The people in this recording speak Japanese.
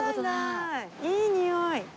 いいにおい！